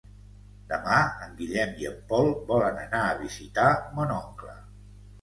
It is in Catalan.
Demà en Guillem i en Pol volen anar a visitar mon oncle.